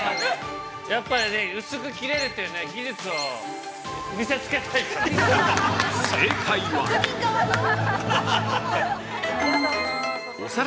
◆やっぱりね、薄く切れるという技術を見せつけたいから！